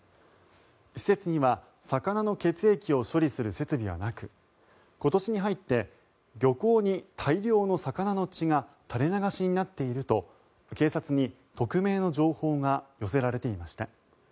施設には魚の血液を処理する設備はなく今年に入って漁港に大量の魚の血が垂れ流しになっていると警察に匿名の情報が寄せられていました。